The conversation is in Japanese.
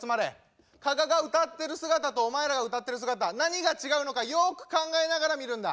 加賀が歌ってる姿とお前らが歌ってる姿何が違うのかよく考えながら見るんだ。